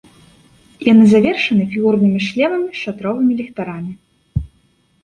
Яны завершаны фігурнымі шлемамі з шатровымі ліхтарамі.